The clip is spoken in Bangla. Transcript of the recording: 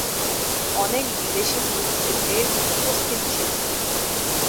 অনেক বিদেশি দূত এতে উপস্থিত ছিলেন।